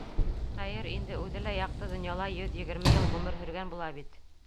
Хәйер, инде үҙе лә яҡты донъяла йөҙ егерме йыл ғүмер һөргән була бит.